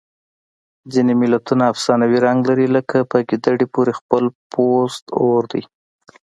ځینې متلونه افسانوي رنګ لري لکه په ګیدړې پورې خپل پوست اور دی